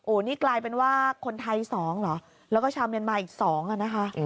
นี่กลายเป็นว่าคนไทย๒เหรอแล้วก็ชาวเมียนมาอีก๒อ่ะนะคะ